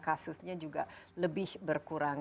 kasusnya juga lebih berkurang